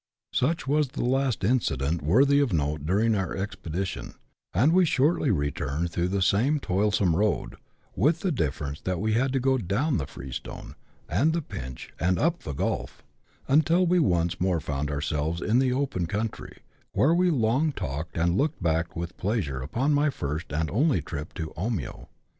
Such was the last incident worthy of note during our ex pedition ; and we shortly returned through the same toilsome road (with the difference that we had to go down the " Free stone" and the "Pinch," and up the "Gulf") until we once more found ourselves in the open country, where we long talked and looked back with pleasure upon my first and only trip to Omio.